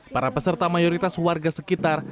para peserta mayoritas warga sekitar